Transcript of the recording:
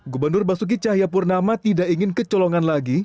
gubernur basuki cahayapurnama tidak ingin kecolongan lagi